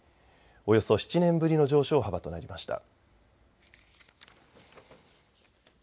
およそ７年ぶりの上昇幅となりました。